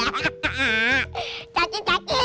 aduh aduh aduh aduh